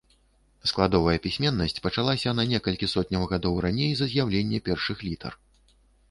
Складовая пісьменнасць пачалася на некалькі сотняў гадоў раней за з'яўленне першых літар.